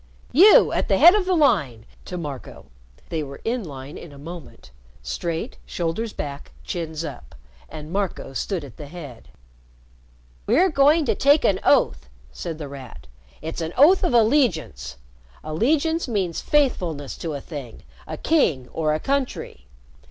You at the head of the line," to Marco. They were in line in a moment straight, shoulders back, chins up. And Marco stood at the head. "We're going to take an oath," said The Rat. "It's an oath of allegiance. Allegiance means faithfulness to a thing a king or a country.